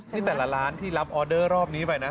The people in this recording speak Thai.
นี่แต่ละร้านที่รับออเดอร์รอบนี้ไปนะ